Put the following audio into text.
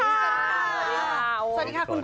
สวัสดีค่ะคุณพ่อ